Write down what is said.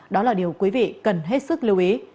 đó là điều quý vị cần hết sức lưu ý